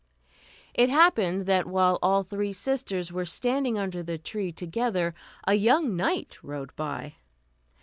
It happened that while all three sisters were standing under the tree together a young knight rode by.